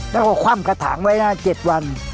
แล้วก็คว่ำกระถางไว้นะ๗วัน